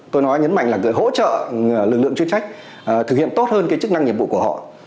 tôi nói nhấn mạnh là hỗ trợ lực lượng chuyên trách thực hiện tốt hơn cái chức năng nhiệm vụ của họ